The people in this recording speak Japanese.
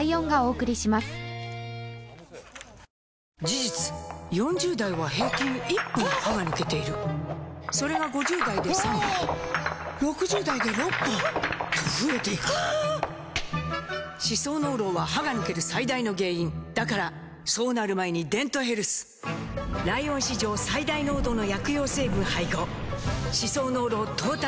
事実４０代は平均１本歯が抜けているそれが５０代で３本６０代で６本と増えていく歯槽膿漏は歯が抜ける最大の原因だからそうなる前に「デントヘルス」ライオン史上最大濃度の薬用成分配合歯槽膿漏トータルケア！